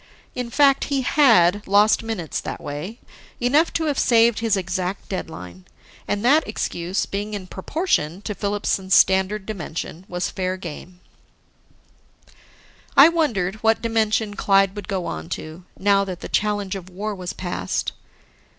In fact, he had lost minutes that way, enough to have saved his exact deadline. And that excuse, being in proportion to Filipson's standard dimension, was fair game. I wondered what dimension Clyde would go on to, now that the challenge of war was past.